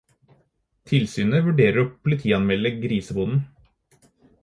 Tilsynet vurderer å politianmelde grisebonden.